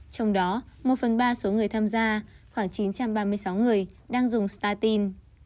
trong đó một phần ba số người tham gia khoảng chín trăm ba mươi sáu người đang dùng startine